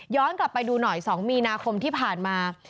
กลับไปดูหน่อย๒มีนาคมที่ผ่านมา